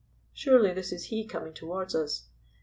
Surely this is he coming toward us."